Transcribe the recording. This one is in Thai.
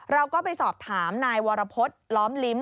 เราก็ไปสอบถามนายวรพฤษล้อมลิ้ม